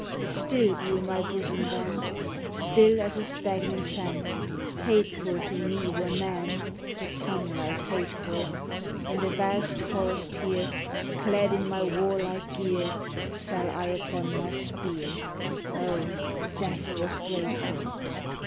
"Still grew my bosom then, Still as a stagnant fen! Hateful to me were men, The sunlight hateful! RAINBOW GOLD In the vast forest here, Clad in my warlike gear, Fell I upon my spear, Oh, death was grateful!